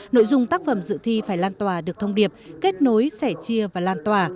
nội dung tác phẩm dự thi phải lan tòa được thông điệp kết nối sẻ chia và lan tòa